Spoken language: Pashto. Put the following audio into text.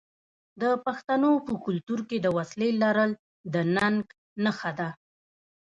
د پښتنو په کلتور کې د وسلې لرل د ننګ نښه ده.